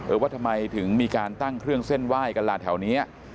ว่าทำไมถึงมีการตั้งเครื่องเส้นไหว้กันล่ะแถวนี้